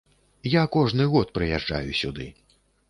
Я кожны год прыязджаю сюды.